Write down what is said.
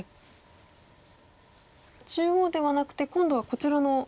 中央ではなくて今度はこちらの。